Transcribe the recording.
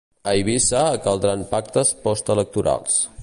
A Eivissa caldran pactes postelectorals.